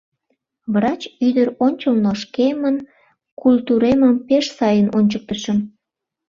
Врач ӱдыр ончылно шкемын культуремым пеш сайын ончыктышым.